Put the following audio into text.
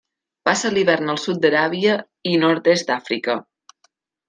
Passa l'hivern al sud d'Aràbia i nord-est d'Àfrica.